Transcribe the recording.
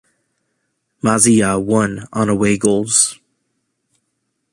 Maziya won on away goals.